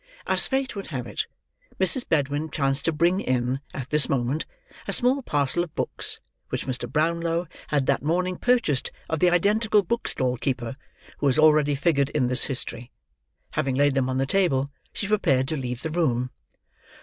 As fate would have it, Mrs. Bedwin chanced to bring in, at this moment, a small parcel of books, which Mr. Brownlow had that morning purchased of the identical bookstall keeper, who has already figured in this history; having laid them on the table, she prepared to leave the room.